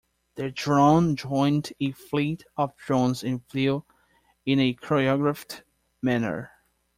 The drone joined a fleet of drones and flew in a choreographed manner.